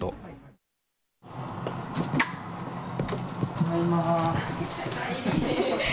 ただいま。